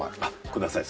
ください。